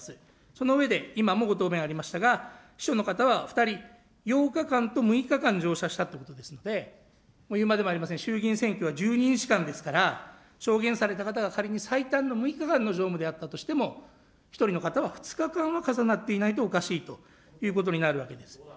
その上で今もご答弁ありましたが、秘書の方は２人、８日間と６日間乗車したということですので、言うまでもありません、衆議院選挙は１２日間ですから、証言された方が仮に最短の６日間の乗務であったとしても、１人の方は２日間は重なっていないとおかしいということになるわけです。